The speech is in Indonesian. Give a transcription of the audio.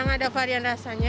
ada varian rasanya